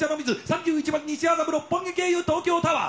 ３１番西麻布六本木経由東京タワー。